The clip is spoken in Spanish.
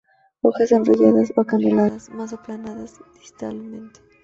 Hojas enrolladas o acanaladas, más aplanadas distalmente.